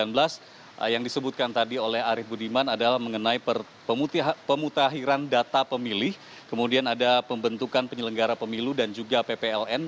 pilih proses dua ribu sembilan belas yang disebutkan tadi oleh arief budiman adalah mengenai pemutahiran data pemilih kemudian ada pembentukan penyelenggara pemilu dan juga ppln